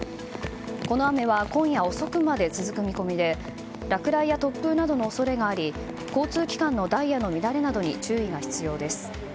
この雨は今夜遅くまで続く見込みで落雷や突風などの恐れがあり交通機関のダイヤの乱れなどに注意が必要です。